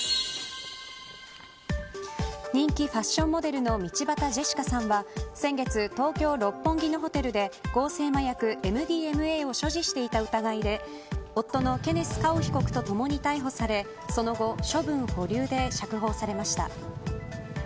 人気ファッションモデルの道端ジェシカさんは先月、東京、六本木のホテルで合成麻薬МＤМＡを所持していた疑いで夫のケネス・カオ被告とともに逮捕されその後処分保留で釈放されました。